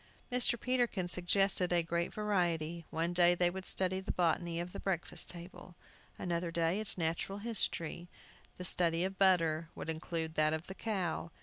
Mr. Peterkin suggested a great variety. One day they would study the botany of the breakfast table, another day, its natural history. The study of butter would include that of the cow.